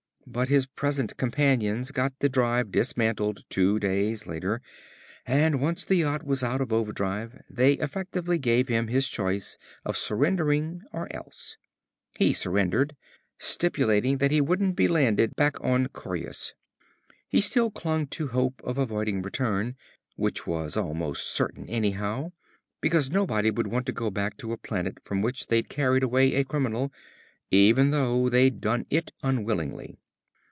But his present companions got the drive dismantled two days later and once the yacht was out of overdrive they efficiently gave him his choice of surrendering or else. He surrendered, stipulating that he wouldn't be landed back on Coryus; he still clung to hope of avoiding return which was almost certain anyhow. Because nobody would want to go back to a planet from which they'd carried away a criminal, even though they'd done it unwillingly.